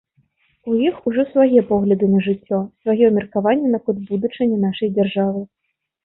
У іх ужо свае погляды на жыццё, сваё меркаванне наконт будучыні нашай дзяржавы.